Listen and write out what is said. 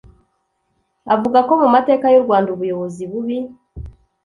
avuga ko mu mateka y'u Rwanda ubuyobozi bubi